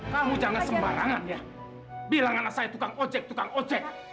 kamu jangan sembarangan bilang anak saya tukang ojek tukang ojek